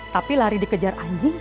tapi lari dikejar anjing